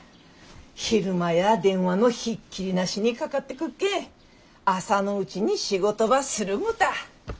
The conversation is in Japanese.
昼間や電話のひっきりなしにかかってくっけん朝のうちに仕事ばするごた。